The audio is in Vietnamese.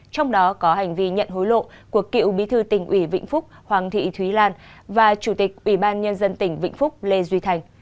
trong đó có hành vi nhận hối lộ của cựu bí thư tỉnh ủy vĩnh phúc hoàng thị thúy lan và chủ tịch ủy ban nhân dân tỉnh vĩnh phúc lê duy thành